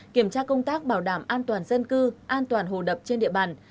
kiểm tra công tác bảo đảm an toàn dân cư an toàn hồ đập trên địa bàn